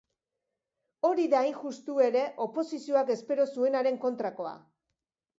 Hori da hain justu ere oposizioak espero zuenaren kontrakoa.